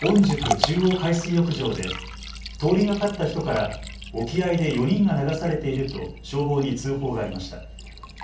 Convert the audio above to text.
中央海水浴場で通りがかった人から沖合で４人が流されていると消防に通報がありました。